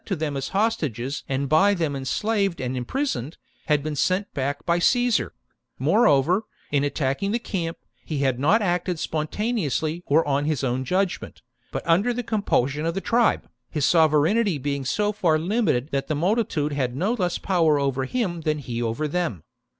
to them as hostages and by them enslaved and imprisoned, had been sent back by Caesar ; more over, in attacking the camp, he had not acted spontaneously or on his own judgement, but under the compulsion of the tribe, his sovereignty being so far limited that the multitude had no less power over him than he over them.